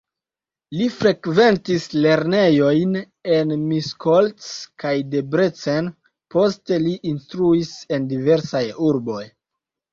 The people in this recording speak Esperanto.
Li frekventis lernejojn en Miskolc kaj Debrecen, poste li instruis en diversaj urboj.